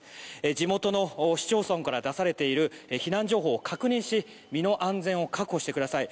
地元の市町村から出されている避難情報を確認し身の安全を確保してください。